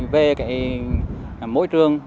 về môi trường